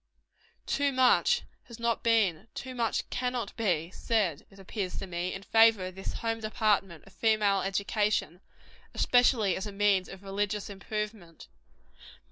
Ton much has not been too much cannot be said, it appears to me, in favor of this home department of female education especially as a means of religious improvement.